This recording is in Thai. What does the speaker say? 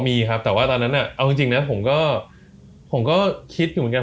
มีครับแต่ว่าตอนนั้นเอาจริงนะผมก็ผมก็คิดอยู่เหมือนกัน